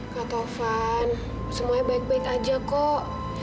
kak tovan semuanya baik baik aja kok